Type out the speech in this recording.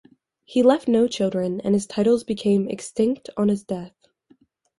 He left no children, and his titles became extinct on his death.